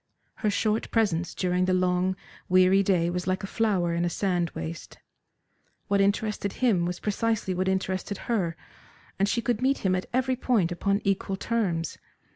Her short presence during the long, weary day was like a flower in a sand waste. What interested him was precisely what interested her, and she could meet him at every point upon equal terms.